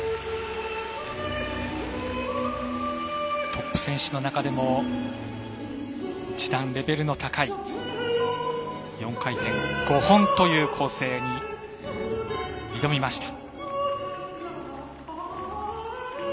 トップ選手の中でも一段レベルの高い４回転５本という構成に挑みました。